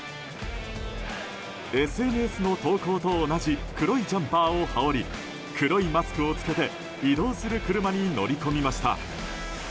ＳＮＳの投稿と同じ黒いジャンパーを羽織り黒いマスクを着けて移動する車に乗り込みました。